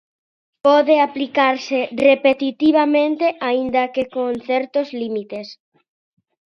Pode aplicarse repetitivamente, aínda que con certos límites.